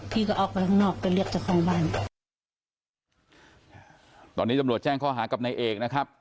พี่ก็ออกไปทั้งนอกก็เรียกจากคลองบ้านตอนนี้จำโหลดแจ้งข้อหากับนายเอกนะครับ